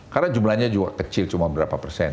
karena jumlahnya juga kecil cuma berapa persen ya